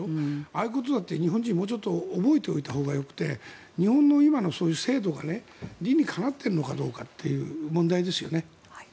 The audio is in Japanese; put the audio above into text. ああいうことだって日本人はもうちょっと覚えておいたほうがよくて日本の今のそういう制度が理にかなっているのかどうかという問題ですよね。